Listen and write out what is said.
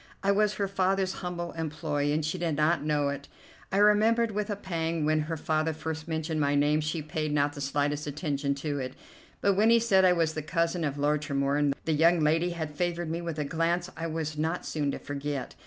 I was her father's humble employee, and she did not know it. I remembered with a pang when her father first mentioned my name she paid not the slightest attention to it; but when he said I was the cousin of Lord Tremorne the young lady had favored me with a glance I was not soon to forget.